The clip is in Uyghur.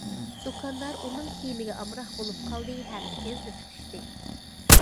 دۇكاندار ئۇنىڭ كىيىمىگە ئامراق بولۇپ قالدى ھەم تېزلا پۈتۈشتى.